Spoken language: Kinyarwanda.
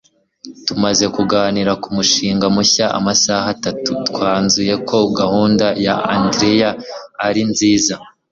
Tumaze kuganira ku mushinga mushya amasaha atatu, twanzuye ko gahunda ya Andereya ari nziza